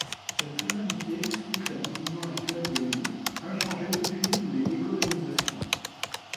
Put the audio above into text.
Cette rivalité explique la division actuelle de l'île, inchangée depuis les décolonisations.